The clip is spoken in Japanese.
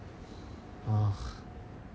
ああ。